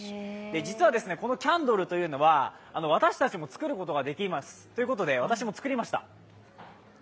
実は、このキャンドルというのは私たちも作ることができます。ということで私も作りました。